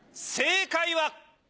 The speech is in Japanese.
正解は。